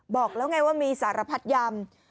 บอกแล้วไงว่ามีสารพัดยำ